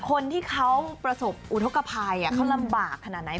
คนที่เขาประสบอุทธกภัยเขาลำบากขนาดไหน